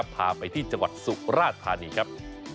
พาไปจังหวัดสุราชภารีครับ